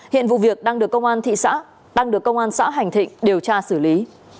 hiện vụ việc đang được công an xã hành thịnh điều tra xử lý